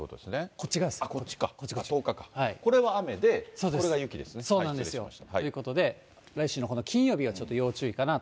こっちか、これは雨で、これそうなんですよ。ということで、来週の金曜日はちょっと要注意かなと。